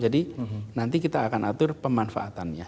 jadi nanti kita akan atur pemanfaatannya